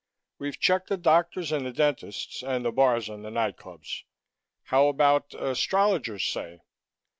We've checked the doctors and the dentists and the bars and the nightclubs. How about astrologers, say?